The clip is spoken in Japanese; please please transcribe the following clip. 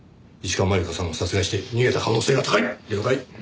石川真悠子さんを殺害して逃げた可能性が高い！